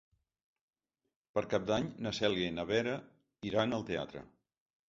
Per Cap d'Any na Cèlia i na Vera iran al teatre.